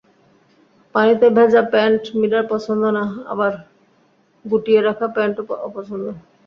পানিতে ভেজা প্যান্ট মীরার পছন্দ না, আবার গুটিয়ে রাখা প্যান্টও অপছন্দ।